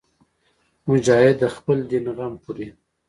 مجاهد د خپل دین غم خوري.